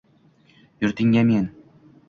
Yurtingga men